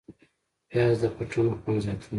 پیاز د فټنو خوند زیاتوي